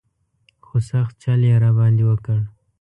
خو سخت چل یې را باندې وکړ.